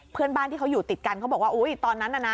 เพื่อนบ้านที่เขาอยู่ติดกันเขาบอกว่าอุ้ยตอนนั้นน่ะนะ